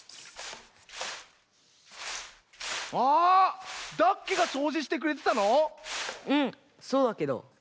あダッケがそうじしてくれてたの⁉うんそうだけど。